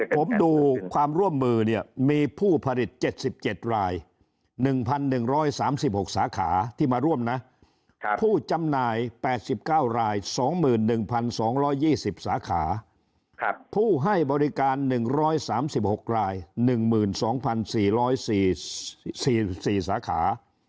ผมดูความร่วมมือเนี่ยมีผู้ผลิต๗๗ราย๑๑๓๖สาขาที่มาร่วมนะผู้จำหน่าย๘๙ราย๒๑๒๒๐สาขาผู้ให้บริการ๑๓๖ราย๑๒๔๔สาขา